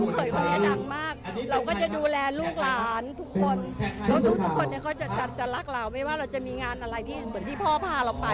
ค่ะค่ะค่ะค่ะค่ะค่ะค่ะค่ะค่ะค่ะค่ะค่ะค่ะค่ะค่ะค่ะค่ะ